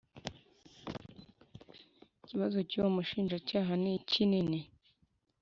Ikibazo cy’ uwo mushinjacyaha nikini.